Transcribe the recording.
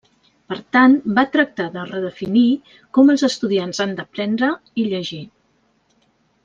Per tant, va tractar de redefinir com els estudiants han d'aprendre i llegir.